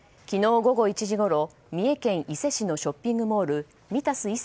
昨日午後１時ごろ三重県伊勢市のショッピングモールミタス